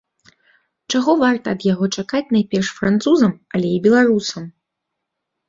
Чаго варта ад яго чакаць найперш французам, але і беларусам?